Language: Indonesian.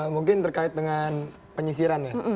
mungkin terkait dengan penyisiran ya